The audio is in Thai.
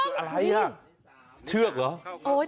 นี่เหรอเชือกเหรอ